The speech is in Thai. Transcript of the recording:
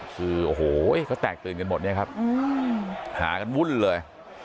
คือโอ้โหเขาแตกตื่นกันหมดเนี่ยครับหากันวุ่นเลย